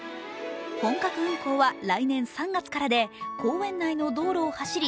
本格運行は来年３月からで公園内の道路を走り